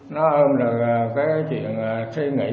nó ôm lời cái chuyện suy nghĩ